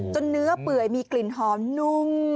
เนื้อเปื่อยมีกลิ่นหอมนุ่ม